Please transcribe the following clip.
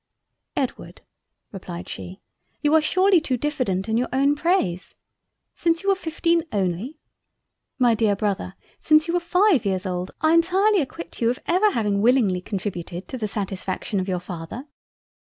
"Edward (replied she) you are surely too diffident in your own praise. Since you were fifteen only! My Dear Brother since you were five years old, I entirely acquit you of ever having willingly contributed to the satisfaction of your Father.